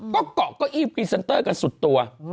ก็เกาะเก้าอี้พรีเซนเตอร์กันสุดตัว